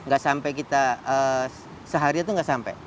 gak sampai kita sehari itu nggak sampai